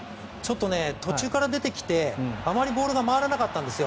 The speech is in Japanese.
途中から出てきてあまりボールが回らなかったんです。